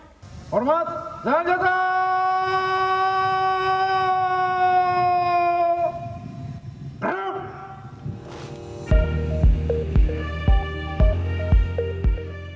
hormat jangan jatuh